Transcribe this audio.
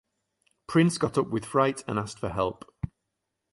Prince got up with fright and asked for help.